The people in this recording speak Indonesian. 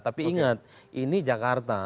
tapi ingat ini jakarta